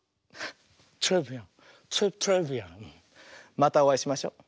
またおあいしましょう。